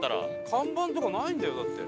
看板とかないんだよだって。